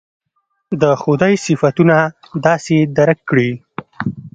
د خدای صفتونه داسې درک کړي.